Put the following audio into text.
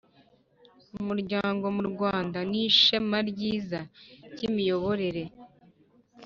umuryango mu Rwanda nishema ryiza ryimiyoborere